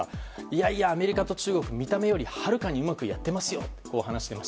いやいやアメリカと中国見た目よりはるかにうまくやっていますよと。